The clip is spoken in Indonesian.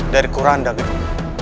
dari kuranda geni